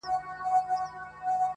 حُسنه دا عجيبه شانې کور دی لمبې کوي_